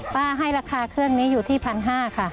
ให้ราคาเครื่องนี้อยู่ที่๑๕๐๐บาทค่ะ